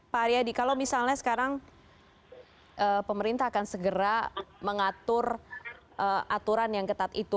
pak aryadi kalau misalnya sekarang pemerintah akan segera mengatur aturan yang ketat itu